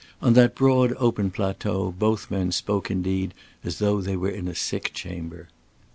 On that broad open plateau both men spoke indeed as though they were in a sick chamber.